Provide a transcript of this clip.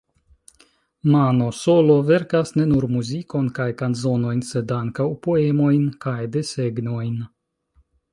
Mano Solo verkas ne nur muzikon kaj kanzonojn sed ankaŭ poemojn kaj desegnojn.